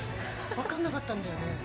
分かんなかったんだよね？